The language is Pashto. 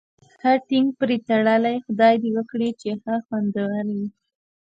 ښه ټینګ پرې تړلی، خدای دې وکړي چې ښه خوندور وي.